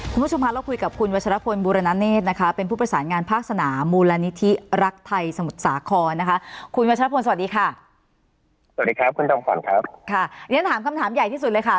คุณผู้ชมพันธ์เราคุยกับคุณวัชรพนธ์บูรณเนตนะคะเป็นผู้ประสานงานภาคสนามูลนิธิรักไทยสมุทรสาคอนนะคะคุณวัชรพนธ์สวัสดีค่ะ